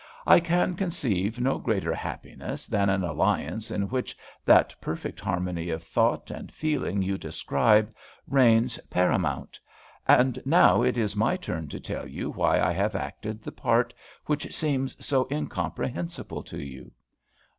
"I can conceive no greater happiness than an alliance in which that perfect harmony of thought and feeling you describe reigns paramount; and now it is my turn to tell you why I have acted the part which seems so incomprehensible to you.